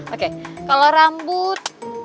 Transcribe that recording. oke kalau rambut